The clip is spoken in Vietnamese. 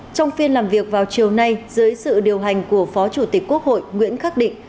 trong phiên làm việc vào chiều nay dưới sự điều hành của phó chủ tịch quốc hội nguyễn khắc định